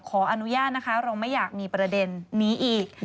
ขออนุญาตนะคะเราไม่อยากมีประเด็นนี้อีก